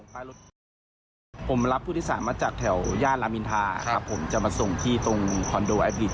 ผมรับผู้โดยสารมาจากแถวย่านรามอินทาครับผมจะมาส่งที่ตรงคอนโดแอดบิส